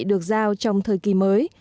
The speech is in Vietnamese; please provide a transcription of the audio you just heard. được giao trong thời kỳ mới